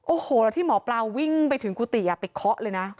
โอ้โหแล้วที่หมอปลาวิ่งไปถึงกุฏิไปเคาะเลยนะ